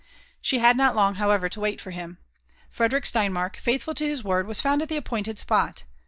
She had not long, however, to wait for him. Frederick Steinmark, feiithful to his word, was found at the appointed spot.